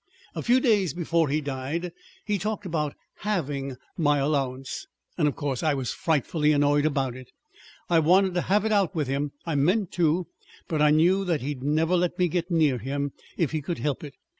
"A few days before he died he talked about halving my allowance. And, of course, I was frightfully annoyed about it. I wanted to have it out with him I meant to but I knew that he'd never let me get near him, if he could help it.